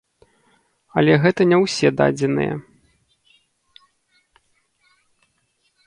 Але гэта не ўсе дадзеныя.